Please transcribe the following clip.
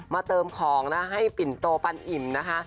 เติมของนะให้ปิ่นโตปันอิ่มนะคะ